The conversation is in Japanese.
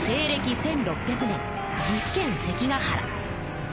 １６００年岐阜県関ヶ原。